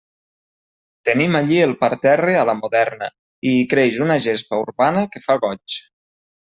Tenim allí el parterre a la moderna, i hi creix una gespa urbana que fa goig.